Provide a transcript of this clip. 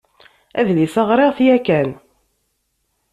Adlis-a ɣṛiɣ-t yakan.